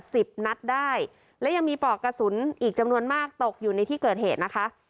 สิบนัดได้และยังมีปอกกระสุนอีกจำนวนมากตกอยู่ในที่เกิดเหตุนะคะ